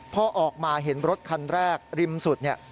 พอออกมาเห็นรถคันแรกริมสุดเนี่ย